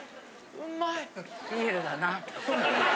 うまい。